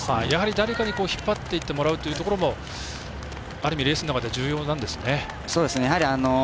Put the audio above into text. やはり、誰かに引っ張っていってもらうのもある意味、レースの中では重要なんですね。